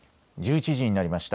１１時になりました。